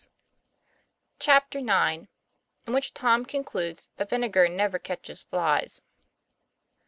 CHAPTER IX. IN WHICH TOM CONCLUDES THAT VINEGAR NEVER CATCHES FLIES.